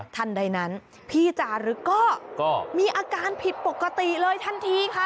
ใดนั้นพี่จารึกก็มีอาการผิดปกติเลยทันทีค่ะ